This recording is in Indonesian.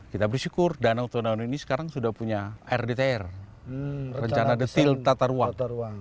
kita bersyukur danau tono ini sekarang sudah punya rdtr rencana detil tata ruang